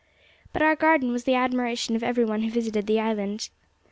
But our garden was the admiration of every one who visited the island.